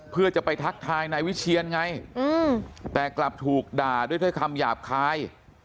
เพื่อจะไปทักทายนายวิเชียนไงแต่กลับถูกด่าด้วยถ้อยคำหยาบคาย